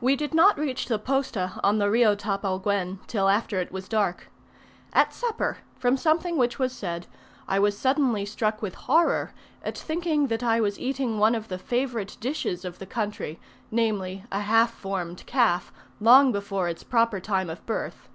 We did not reach the posta on the Rio Tapalguen till after it was dark. At supper, from something which was said, I was suddenly struck with horror at thinking that I was eating one of the favourite dishes of the country namely, a half formed calf, long before its proper time of birth.